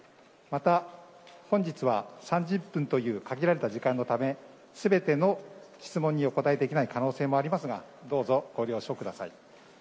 また、本日は３０分という限られた時間のため、すべての質問にお答えできない可能性もありますが、どうぞご了承ください。